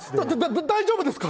大丈夫ですか？